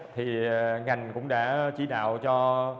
thì ngành cũng đã chỉ đạo cho